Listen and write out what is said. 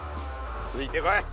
ついてこい。